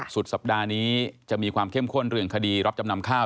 สุดสัปดาห์นี้จะมีความเข้มข้นเรื่องคดีรับจำนำข้าว